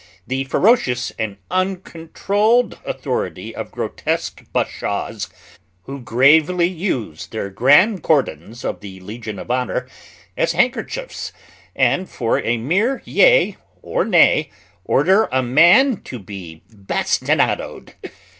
The ferocious and uncontrolled authority of grotesque bashaws, who gravely use their grand cordons of the Legion of Honour as handkerchiefs, and for a mere yea or nay order a man to be bastinadoed.